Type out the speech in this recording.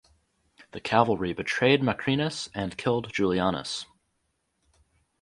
The cavalry betrayed Macrinus and killed Julianus.